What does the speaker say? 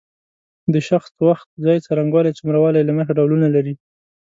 د شخص وخت ځای څرنګوالی څومره والی له مخې ډولونه لري.